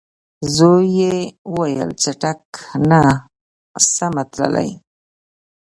زوی یې وویل چټک نه سمه تللای